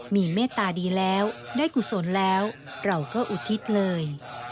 มีเมตตาดีแล้วได้กุศลแล้วเราก็อุทิศเลย